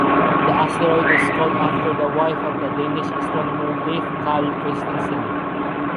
The asteroid is called after the wife of the Danish astronomer Leif Kahl Kristensen.